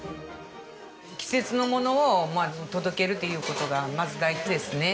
季節のものを届けるっていう事がまず第一ですね。